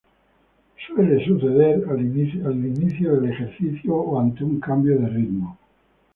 Suele suceder al inicio del ejercicio o ante un cambio de ritmo.